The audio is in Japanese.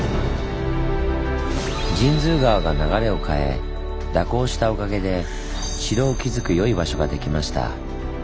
神通川が流れを変え蛇行したおかげで城を築く良い場所ができました。